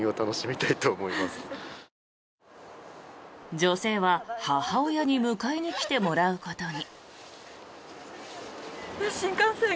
女性は母親に迎えに来てもらうことに。